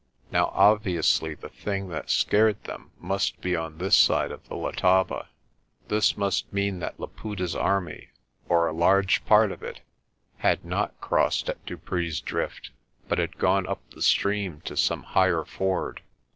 Now obviously the thing that scared them must be on this side of the Letaba. This must mean that Laputa's army, or a large part of it, had not crossed at Dupree's Drift but had gone up the stream to some higher ford.